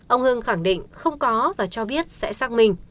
ông hưng khẳng định không có và cho biết sẽ xác minh